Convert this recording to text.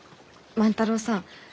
万太郎さん。